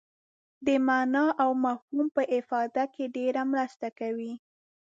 د معنا او مفهوم په افاده کې ډېره مرسته کوي.